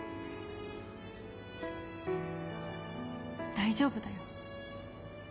大丈夫だよ。